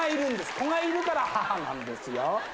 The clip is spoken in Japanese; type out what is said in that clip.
子がいるから母なんですよ。